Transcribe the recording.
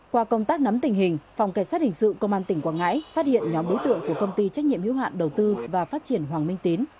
qua công tác nắm tình hình phòng cảnh sát hình sự công an tỉnh quảng ngãi phát hiện nhóm đối tượng của công ty trách nhiệm hiếu hạn đầu tư và phát triển hoàng minh tín